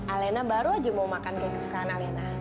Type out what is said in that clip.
alena baru aja mau makan yang sekarang